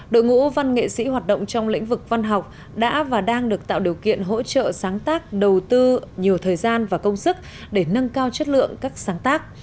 đội ngũ văn nghệ sĩ hoạt động trong lĩnh vực văn học đã và đang được tạo điều kiện hỗ trợ sáng tác đầu tư nhiều thời gian và công sức để nâng cao chất lượng các sáng tác